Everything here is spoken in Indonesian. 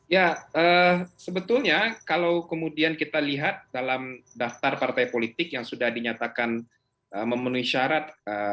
ya sebetulnya kalau kemudian kita lihat dalam daftar partai politik yang sudah dinyatakan memenuhi syarat